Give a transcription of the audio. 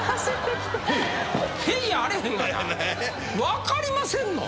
分かりませんの？